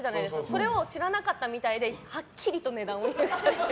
それを知らなかったみたいではっきりと値段を言っちゃって。